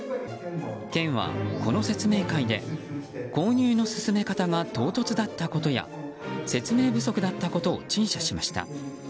県はこの説明会で購入の進め方が唐突だったことや説明不足だったことを陳謝しました。